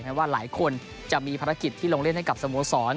ว่าหลายคนจะมีภารกิจที่ลงเล่นให้กับสโมสร